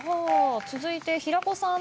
続いて平子さん。